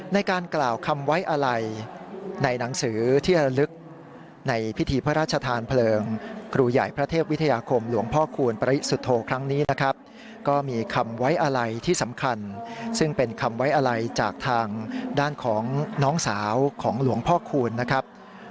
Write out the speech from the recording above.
ในการกล่าวคำไว้อะไรในหนังสือที่ระลึกในพิธีพระราชทานเพลิงครูใหญ่พระเทพวิทยาคมหลวงพ่อคูณปริสุทธโธครั้งนี้นะครับก็มีคำไว้อะไรที่สำคัญซึ่งเป็นคำไว้อะไรจากทางด้านของน้องสาวของหลวงพ่อคูณนะครับ